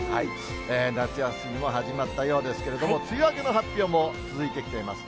夏休みも始まったようですけれども、梅雨明けの発表も続いてきています。